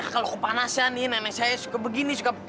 kalau kepanasan nenek saya suka begini